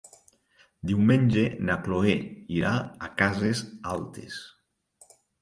Diumenge na Cloè irà a Cases Altes.